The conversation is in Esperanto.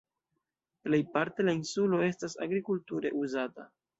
Plejparte la insulo estas agrikulture uzata.